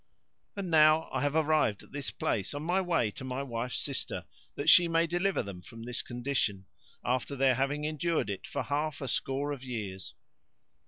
And now I have arrived at this place on my way to my wife's sister that she may deliver them from this condition, after their having endured it for half a score of years.